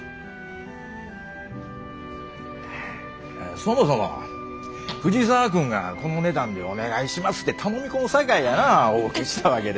そもそも藤沢君がこの値段でお願いしますて頼み込むさかいやなお受けしたわけで。